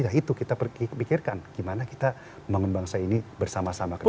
ya itu kita pikirkan gimana kita membangun bangsa ini bersama sama ke depan